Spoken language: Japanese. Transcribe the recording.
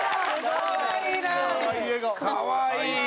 かわいいな。